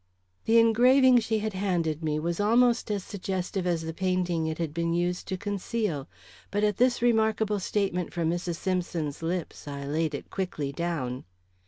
The engraving she had handed me was almost as suggestive as the painting it had been used to conceal; but at this remarkable statement front Mrs. Simpson's lips I laid it quickly down.